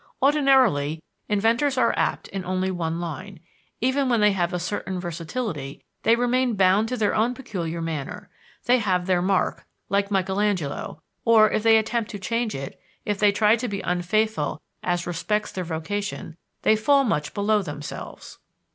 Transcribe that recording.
Ordinarily, inventors are apt in only one line; even when they have a certain versatility, they remain bound to their own peculiar manner they have their mark like Michaelangelo; or, if they attempt to change it, if they try to be unfaithful as respects their vocation, they fall much below themselves.